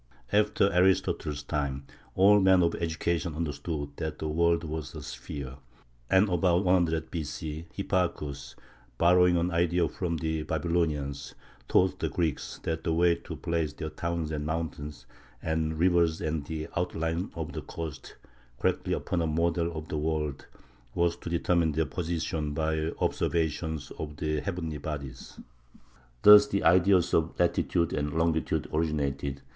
After Aristotle's time all men of education understood that the world was a sphere; and about 150 B. C. Hipparchus, borrowing an idea from the Babylonians, taught the Greeks that the way to place their towns and mountains and rivers and the outlines of the coast correctly upon a model of the world, was to determine their position by observations of the heavenly bodies. Thus the ideas of latitude and longitude originated.